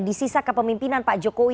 di sisa kepemimpinan pak jokowi